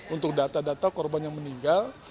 untuk data data korban yang meninggal